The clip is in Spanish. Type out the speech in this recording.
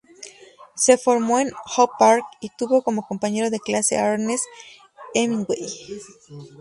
Se formó en Oak Park y tuvo como compañero de clase a Ernest Hemingway.